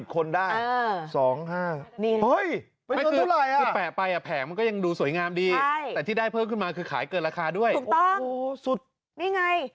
๕๐คนได้๒๕นิ้วเฮ้ยไปไปแผงมันก็ยังดูสวยงามดีแต่ที่ได้เพิ่มขึ้นมาคือขายเกินราคาด้วยสุดนี่ไง